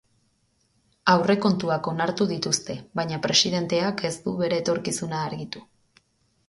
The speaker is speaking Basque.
Aurrekontuak onartu dituzte, baina presidenteak ez du bere etorkizuna argitu.